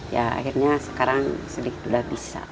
ya akhirnya sekarang sedikit sudah bisa